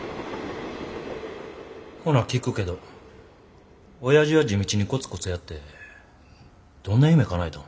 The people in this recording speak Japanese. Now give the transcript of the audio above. ほな聞くけどおやじは地道にコツコツやってどんな夢かなえたん。